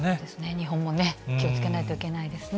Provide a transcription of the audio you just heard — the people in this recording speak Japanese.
日本もね、気をつけないといけないですね。